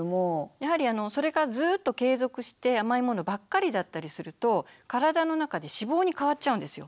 やはりそれがずっと継続して甘いものばっかりだったりすると体の中で脂肪に変わっちゃうんですよ。